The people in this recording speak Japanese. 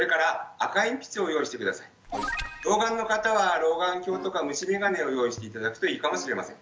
老眼の方は老眼鏡とか虫眼鏡を用意して頂くといいかもしれません。